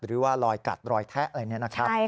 หรือว่ารอยกัดรอยแทะอะไรเนี่ยนะครับ